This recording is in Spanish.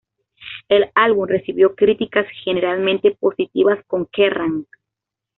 El álbum recibió críticas generalmente positivas, con Kerrang!